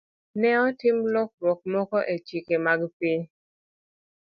Ne otim lokruok moko e chike mag piny.